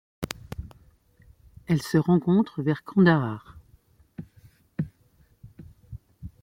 Elle se rencontre vers Kandahar.